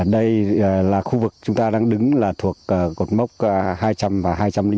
đây là khu vực chúng ta đang đứng thuộc gột mốc hai trăm linh và hai trăm linh một